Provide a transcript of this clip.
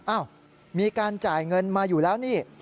อ้าวมีการจ่ายเงินมาอยู่แล้วนี่